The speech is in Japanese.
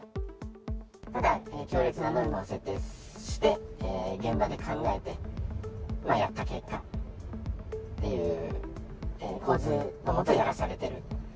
ただ強烈なノルマを設定して、現場で考えてやった結果っていう、構図の下、やらされてる。